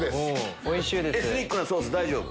エスニックなソース大丈夫？